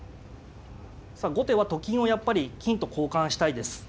さあ後手はと金をやっぱり金と交換したいです。